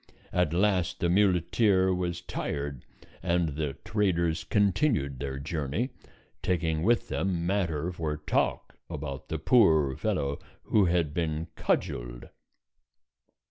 At last the muleteer was tired, and the traders continued their journey, taking with them matter for talk about the poor fellow who had been cudgeled.